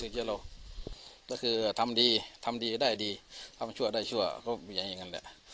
ที่เราก็คือทำดีทำดีได้ดีทำชั่วได้ชั่วก็มีอย่างนั้นแหละ